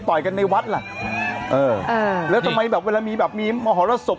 กันในวัดล่ะเออแล้วทำไมแบบเวลามีแบบมีมหรสบ